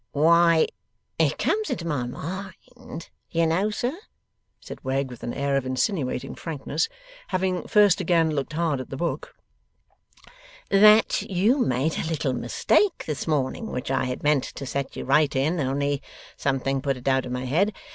'Why, it comes into my mind, do you know, sir,' said Wegg with an air of insinuating frankness (having first again looked hard at the book), 'that you made a little mistake this morning, which I had meant to set you right in, only something put it out of my head.